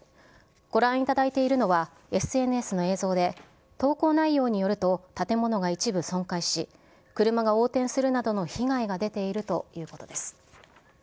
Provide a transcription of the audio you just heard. ご覧いただいているのは、ＳＮＳの映像で、投稿内容によると、建物が一部損壊し、車が横転するなどの被害が出ているということです。